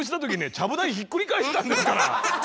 ちゃぶ台ひっくり返したんですから。